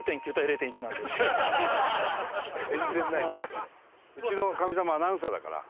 全然ないね。